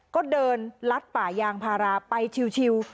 ก็เดินลัดป่ายางพาราไปชิว